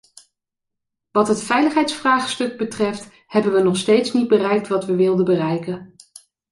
Wat het veiligheidsvraagstuk betreft hebben we nog steeds niet bereikt wat we wilden bereiken.